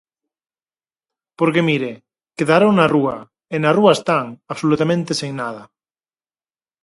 Porque mire, quedaron na rúa, e na rúa están, absolutamente sen nada.